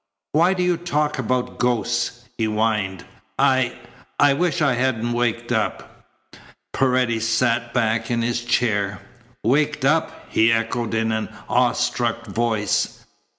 "Why do you talk about ghosts?" he whined. "I I wish I hadn't waked up." Paredes sank back in his chair. "Waked up!" he echoed in an awe struck voice.